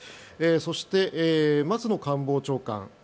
そして、松野官房長官